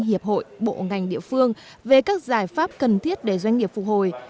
hiệp hội bộ ngành địa phương về các giải pháp cần thiết để doanh nghiệp phục hồi